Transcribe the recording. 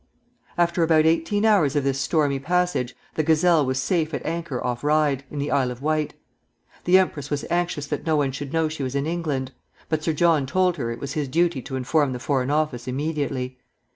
After about eighteen hours of this stormy passage the "Gazelle" was safe at anchor off Ryde, in the Isle of Wight. The empress was anxious that no one should know she was in England; but Sir John told her it was his duty to inform the Foreign Office immediately.